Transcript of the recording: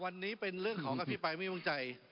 วันนี้เป็นเรื่องของอภิปรายไม่วงใจ